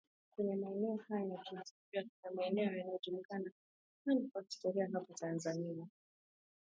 kwenye maeneo haya ya kihistoria Kuna maeneo yanajulikana sana kwa historia hapa Tanzania